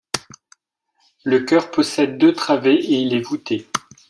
Le chœur possède deux travées et il est voûté.